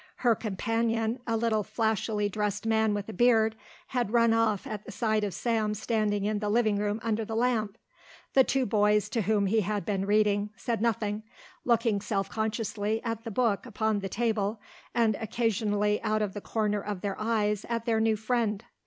Her companion, a little flashily dressed man with a beard, had run off at the sight of Sam standing in the living room under the lamp. The two boys, to whom he had been reading, said nothing, looking self consciously at the book upon the table and occasionally out of the corner of their eyes at their new friend.